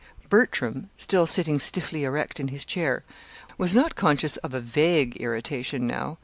Bertram, still sitting stiffly erect in his chair, was not conscious of a vague irritation now.